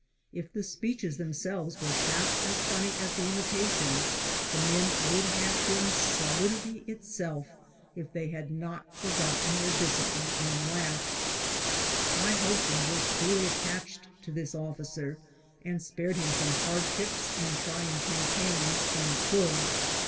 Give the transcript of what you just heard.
If the speeches themselves were half as funny as the imitations, the men would have been sto lidity itself if they had not forgotten their discipline and laughed. My husband was truly attached to this officer, and spared him from hardships and trying cam paigns when he could.